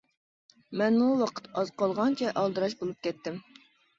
مەنمۇ ۋاقىت ئاز قالغانچە ئالدىراش بولۇپ كەتتىم.